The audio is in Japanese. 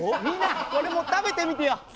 みんなこれも食べてみてよ。